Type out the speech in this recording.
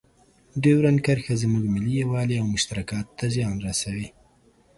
ډیورنډ کرښه زموږ ملي یووالي او مشترکاتو ته زیان رسوي.